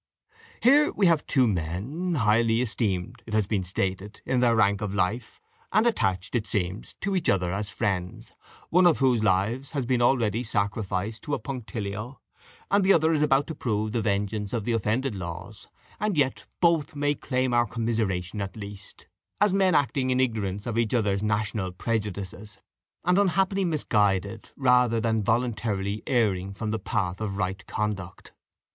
Here we have two men, highly esteemed, it has been stated, in their rank of life, and attached, it seems, to each other as friends, one of whose lives has been already sacrificed to a punctilio, and the other is about to prove the vengeance of the offended laws and yet both may claim our commiseration at least, as men acting in ignorance of each other's national prejudices, and unhappily misguided rather than voluntarily erring from the path of right conduct.